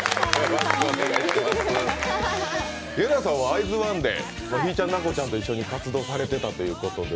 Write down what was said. イェナさんはひぃちゃん、奈子ちゃんと一緒に活動されてたということで。